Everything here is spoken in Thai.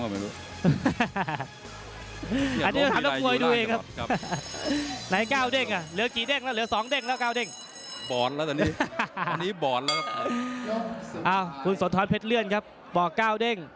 ไหนก้าวเด้งอะเหลือสองเด้งแล้วก้าวเด้ง